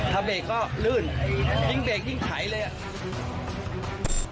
ถ้าเบรกก็ลื่นทิ้งเบรกทิ้งถ่ายเลย